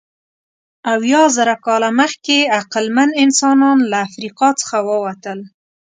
اویازره کاله مخکې عقلمن انسانان له افریقا څخه ووتل.